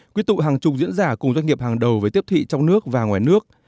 quyết tụ hàng chục diễn giả cùng doanh nghiệp hàng đầu với tiếp thị trong nước và ngoài nước